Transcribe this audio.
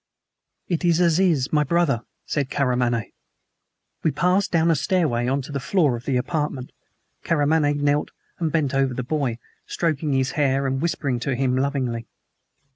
"It is Aziz, my brother," said Karamaneh. We passed down a stairway on to the floor of the apartment. Karamaneh knelt and bent over the boy, stroking his hair and whispering to him lovingly.